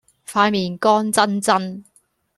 塊面乾爭爭